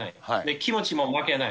気持ちも負けない。